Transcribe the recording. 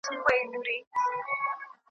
خو دومره پوهېږم چې